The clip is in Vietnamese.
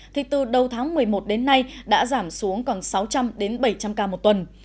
thì từ đầu tháng một mươi một đến nay đã giảm xuống còn sáu trăm linh đến bảy trăm linh ca một tuần